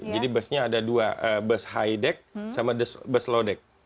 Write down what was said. jadi busnya ada dua bus high deck sama bus low deck